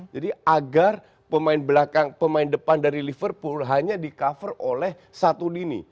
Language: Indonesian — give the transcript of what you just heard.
jadi agar pemain belakang pemain depan dari liverpool hanya di cover oleh satu lini